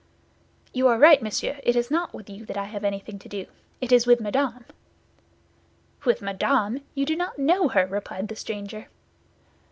"You are right, monsieur, it is not with you that I have anything to do; it is with Madame." "With Madame! You do not know her," replied the stranger.